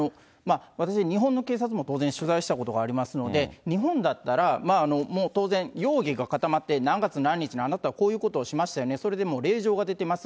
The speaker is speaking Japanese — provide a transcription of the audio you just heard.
私、日本の警察も当然、取材したことがありますので、日本だったら、もう当然、容疑が固まって、何月何日にあなたはこういうことをしましたよね、それでもう令状が出てます。